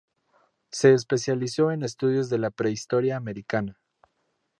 Se especializó en estudios de la prehistoria americana.